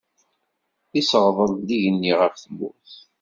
Iseɣḍel-d igenni ɣef tmurt.